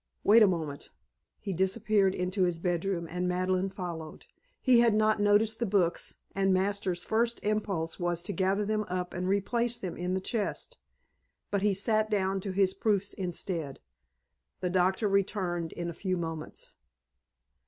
Wait a moment." He disappeared into his bedroom and Madeleine followed. He had not noticed the books and Masters' first impulse was to gather them up and replace them in the chest. But he sat down to his proofs instead. The Doctor returned in a few moments.